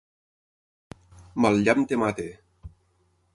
Mal llamp et mati!